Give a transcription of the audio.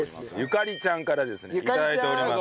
ゆかりちゃんからですね頂いております。